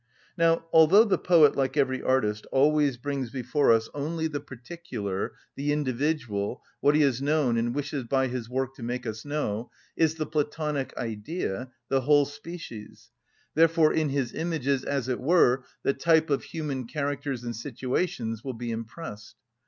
Now, although the poet, like every artist, always brings before us only the particular, the individual, what he has known, and wishes by his work to make us know, is the (Platonic) Idea, the whole species; therefore in his images, as it were, the type of human characters and situations will be impressed.